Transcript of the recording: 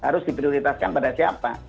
harus di prioritaskan pada siapa